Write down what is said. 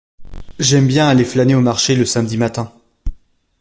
J’aime bien aller flâner au marché le samedi matin.